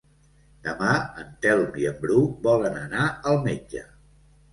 Demà en Telm i en Bru volen anar al metge.